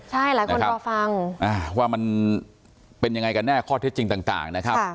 ใช่หลายคนรอฟังว่ามันเป็นยังไงกันแน่ข้อเท็จจริงต่างนะครับ